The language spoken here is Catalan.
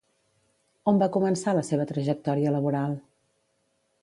On va començar la seva trajectòria laboral?